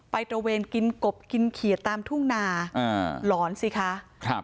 ไปตระเวนกินกบกินเขียตตามทุ่งนาหลอนสิคะ